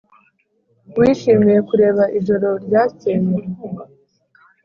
wishimiye kureba ijoro ryakeye?